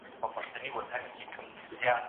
ډېر خوراک بدن دروندوي.